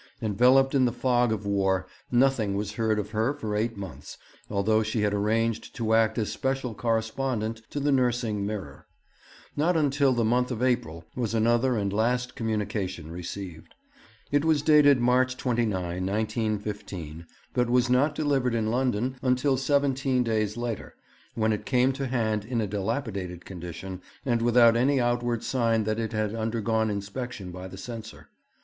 Enveloped in the fog of war, nothing was heard of her for eight months, although she had arranged to act as special correspondent to the Nursing Mirror. Not until the month of April was another and last communication received. It was dated March 29, 1915, but was not delivered in London until seventeen days later, when it came to hand in a dilapidated condition and without any outward sign that it had undergone inspection by the Censor.